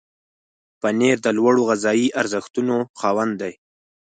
پنېر د لوړو غذایي ارزښتونو خاوند دی.